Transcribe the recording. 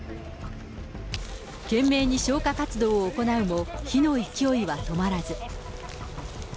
懸命に消火活動を行うも、火の勢いは止まらず。